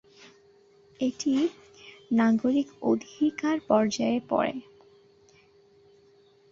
এটি নাগরিক অধিকারের পর্যায়ে পড়ে।